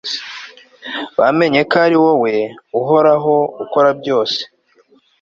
bamenye ko ari wowe, uhoraho, ukora byose